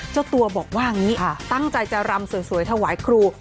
เจ้าตัวบอกว่าอย่างนี้ตั้งใจจะรำสวยถวายครู